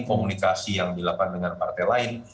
komunikasi yang dilakukan dengan partai lain